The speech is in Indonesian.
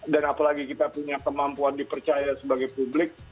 dan apalagi kita punya kemampuan dipercaya sebagai publik